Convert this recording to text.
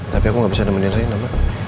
tapi aku gak bisa nemenin reina mbak